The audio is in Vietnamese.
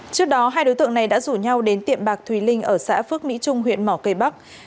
trước đó hai đối tượng này đã rủ nhau đến tiệm bạc thùy linh ở xã phước mỹ trung huyện mỏ cây bắc